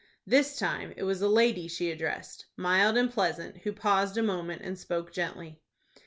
This time it was a lady she addressed,—mild and pleasant,—who paused a moment, and spoke gently.